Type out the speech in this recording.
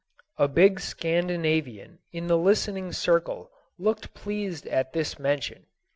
A big Scandinavian in the listening circle looked pleased at this mention.